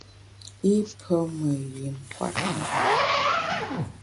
I pe me yin kwet njap.